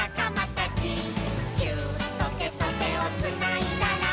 「ギューッとてとてをつないだら」